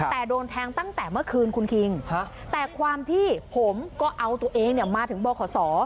แต่โดนแทงตั้งแต่เมื่อคืนคุณคิงแต่ความที่ผมก็เอาตัวเองมาถึงบข